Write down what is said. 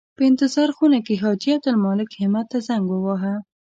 په انتظار خونه کې حاجي عبدالمالک همت ته زنګ وواهه.